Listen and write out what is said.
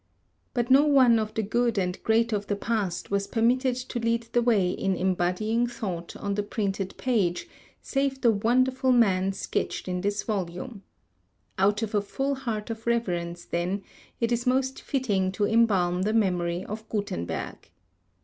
But no one of the good and great of the past was permitted to lead the way in embodying thought on the printed page, save the wonderful man sketched in this volume. Out of a full heart of reverence, then, it is most fitting to embalm the memory of Gutenberg.